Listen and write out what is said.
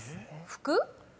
「服」？